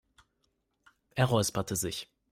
Er räusperte sich.